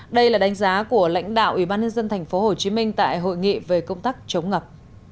đây là đánh giá của lãnh đạo ủy ban nhân dân tp hcm tại hội nghị về công tác chống ngập